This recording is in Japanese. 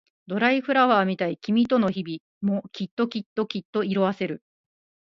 ドライフラワーみたい君との日々もきっときっときっと色あせる